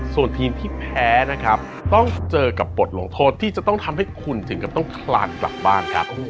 ส่วนทีมที่แพ้นะครับต้องเจอกับบทลงโทษที่จะต้องทำให้คุณถึงกับต้องคลานกลับบ้านครับ